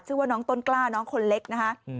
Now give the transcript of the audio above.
ชื่อว่าน้องต้นกล้าน้องคนเล็กนะคะ